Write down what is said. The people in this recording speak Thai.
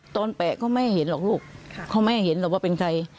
แปะเขาไม่เห็นหรอกลูกเขาไม่ให้เห็นหรอกว่าเป็นใคร